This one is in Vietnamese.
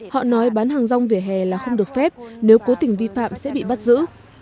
họ nói bán hàng rong vỉa hè là không được phép nếu cố tình vi phạm sẽ bị bắt giữ